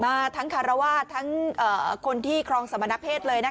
มาทั้งคารวาสทั้งคนที่ครองสมณเพศเลยนะคะ